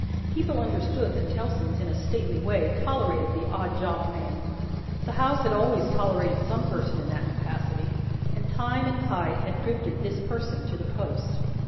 People understood that Tellson's, in a stately way, tolerated the odd job man. The house had always tolerated some person in that capacity, and time and tide had drifted this person to the post.